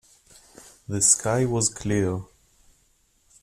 The sky was clear.